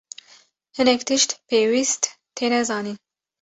Hinek tişt pêwîst têne zanîn.